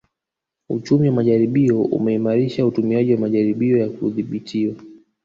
Uchumi wa majaribio umeimarisha utumiaji wa majaribio ya kudhibitiwa